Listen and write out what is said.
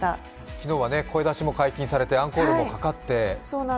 昨日は声出しも解禁されて、アンコールもかかって。